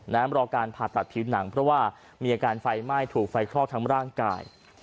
รอการผ่าตัดผิวหนังเพราะว่ามีอาการไฟไหม้ถูกไฟคลอกทั้งร่างกาย